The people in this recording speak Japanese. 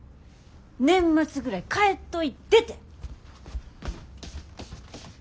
年末ぐらい帰っといでて。